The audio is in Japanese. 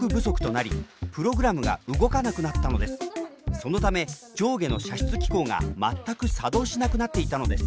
そのため上下の射出機構が全く作動しなくなっていたのです。